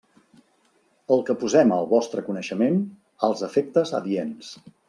El que posem al vostre coneixement als efectes adients.